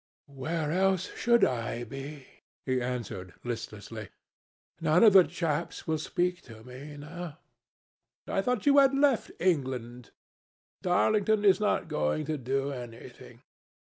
"Where else should I be?" he answered, listlessly. "None of the chaps will speak to me now." "I thought you had left England." "Darlington is not going to do anything.